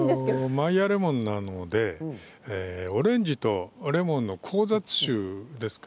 マイヤーレモンなのでオレンジとレモンの交雑種なんです。